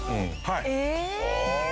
はい。